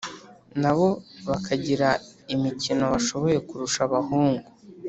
na bo bakagira imikino bashoboye kurusha abahungu.